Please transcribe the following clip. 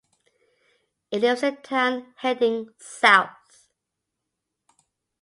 It leaves the town heading south.